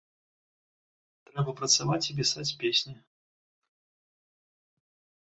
Трэба працаваць і пісаць песні.